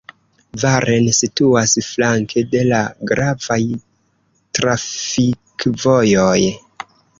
Varen situas flanke de la gravaj trafikvojoj.